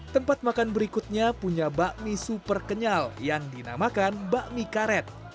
tempat makan berikutnya punya bakmi super kenyal yang dinamakan bakmi karet